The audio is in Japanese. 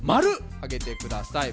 ○上げてください。